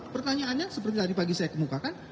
pertanyaannya seperti tadi pagi saya kemukakan